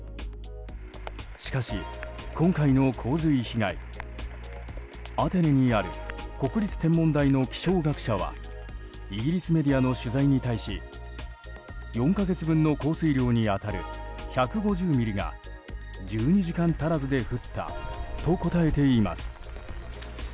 しかし、今回の洪水被害アテネにある国立天文台の気象学者はイギリスメディアの取材に対し４か月分の降水量に当たる１５０ミリが１２時間足らずで降ったと答えています。